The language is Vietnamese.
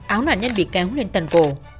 áo nạn nhân bị kéo lên tần cổ